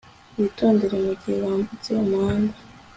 Witondere mugihe wambutse umuhanda